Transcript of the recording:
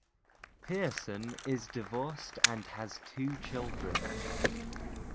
Pearson is divorced and has two children.